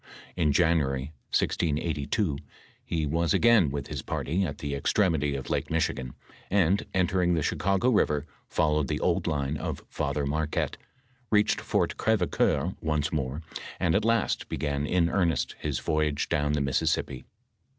In January, 1682, he was again with his party at the extre/bity of Lake Michigan, and enter ing the Ohioago river, followed the old line of Father Mar^ quette, reached Fort Orev^coeur once more, and at last began in earnest his Toyage down the Mississippi.